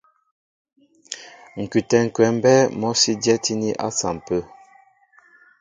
Ŋ̀kʉtɛ̌ ŋ̀kwɛ̌ mbɛ́ɛ́ mɔ́ sí dyɛ́tíní à sampə̂.